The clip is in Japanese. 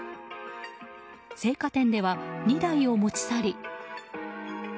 青果店では２台を持ち去り。